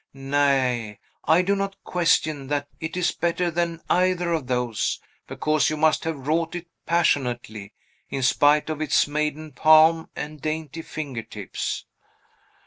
Nay, I do not question that it is better than either of those, because you must have wrought it passionately, in spite of its maiden palm and dainty fingertips."